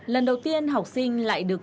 lần đầu tiên học sinh lại được